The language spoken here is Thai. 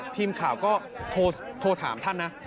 ทีมข่าวก็โทรถามท่านนะ